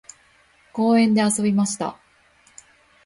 公園で遊びました。